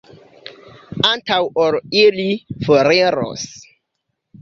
Antaŭ ol ili foriros.